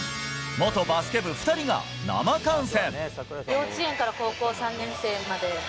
元バスケ部２人が生観戦。